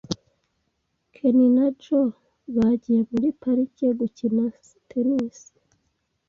Ken na Joe bagiye muri parike gukina tennis .